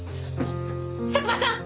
佐久間さん！